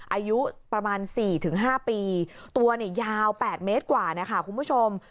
อายุประมาณ๔๕ปีตัวเนี่ยยาว๘เมตรกว่านะคะคุณผู้ชม